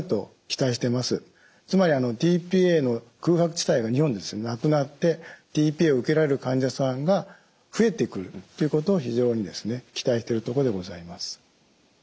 つまりｔ−ＰＡの空白地帯が日本でなくなってｔ−ＰＡを受けられる患者さんが増えてくるということを非常に期待してるとこでございます。